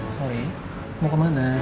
sorry mau kemana